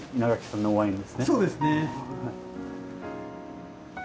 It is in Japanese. そうですね。